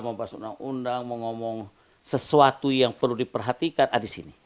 mau bahas undang undang mau ngomong sesuatu yang perlu diperhatikan ada di sini